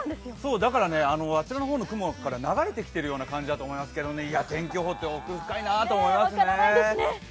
だからあちらの方の雲から流れてきている感じだと思いますが天気予報って奥深いと思いますね。